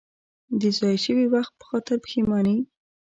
د ضایع شوي وخت په خاطر پښېماني.